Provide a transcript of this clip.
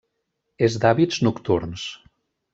És d'hàbits nocturns.